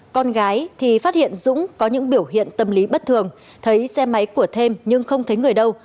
con gái thì phát hiện dũng có những biểu hiện tâm lý bất thường thấy xe máy của thêm nhưng không thấy người đâu